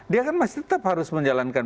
dia kan masih tetap harus menjalankan